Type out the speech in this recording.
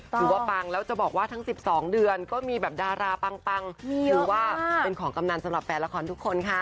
ปังแล้วจะบอกว่าทั้ง๑๒เดือนก็มีแบบดาราปังถือว่าเป็นของกำนันสำหรับแฟนละครทุกคนค่ะ